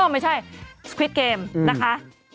ไม่ใช่สควิดเกมนะคะ